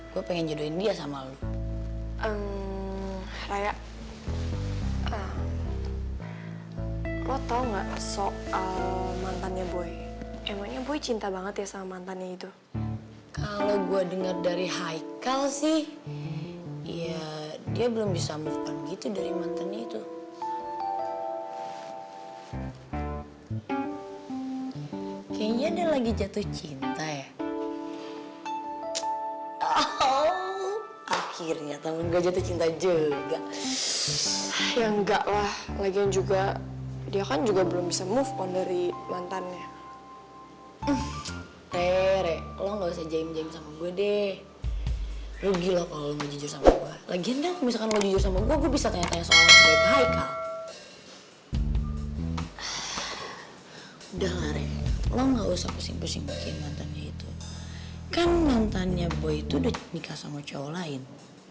kan mantannya boy itu udah nikah sama cowok lain